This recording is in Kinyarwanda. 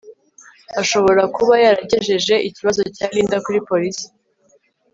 ashobora kuba yaragejeje ikibazo cya Linda kuri police